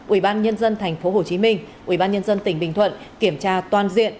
ủy ban nhân dân tp hcm ủy ban nhân dân tỉnh bình thuận kiểm tra toàn diện